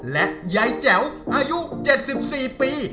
และยายแจ๋วอายุ๗๔ปี